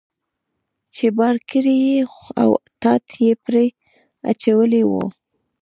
چې بار کړی یې و او ټاټ یې پرې اچولی و.